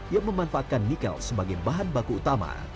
yang memanfaatkan nikel sebagai bahan baku utama